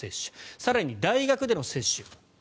更に、大学での接種。